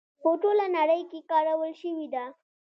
په ټوله نړۍ کې کارول شوې ده.